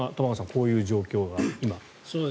こういう状況が今あると。